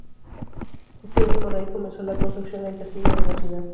Este mismo rey comenzó la construcción del castillo de la ciudad.